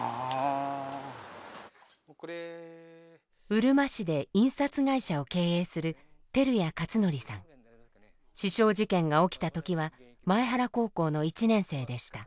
うるま市で印刷会社を経営する刺傷事件が起きた時は前原高校の１年生でした。